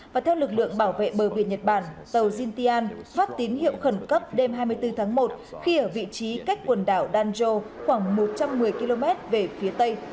và theo lực lượng bảo vệ bờ biển nhật bản tàu jintyan phát tín hiệu khẩn cấp đêm hai mươi bốn tháng một khi ở vị trí cách quần đảo danjo khoảng một trăm một mươi km về phía tây